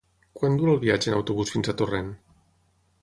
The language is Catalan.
Quant dura el viatge en autobús fins a Torrent?